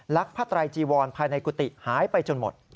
ผ้าไตรจีวรภายในกุฏิหายไปจนหมด